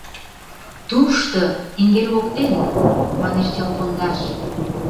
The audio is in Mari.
— Тушто... эҥер воктен... — манеш чал пондаш.